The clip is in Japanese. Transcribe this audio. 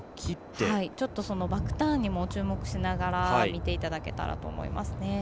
バックターンにも注目しながら見ていただけたらと思います。